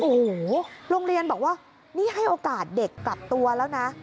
โอ้โหโรงเรียนบอกว่านี่ให้โอกาสเด็กกลับตัวแล้วนะ